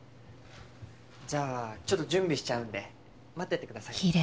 じゃあちょっと準備しちゃうんで待っててください。